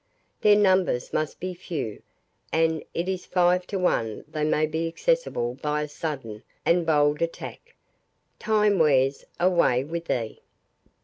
Their numbers must be few, and it is five to one they may be accessible by a sudden and bold attack. Time wears—away with thee."